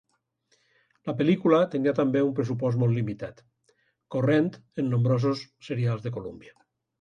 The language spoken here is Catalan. La pel·lícula tenia també un pressupost molt limitat, corrent en nombrosos serials de Columbia.